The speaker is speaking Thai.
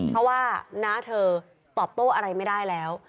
เพราะว่าน้าเธอตอบโต้อะไรไม่ได้แล้ว